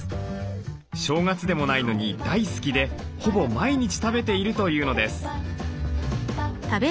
正月でもないのに大好きでほぼ毎日食べているというのです。